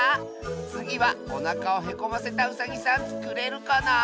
つぎはおなかをへこませたウサギさんつくれるかな？